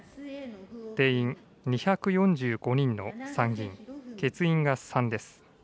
定員２４５人の参議院、欠員が３です。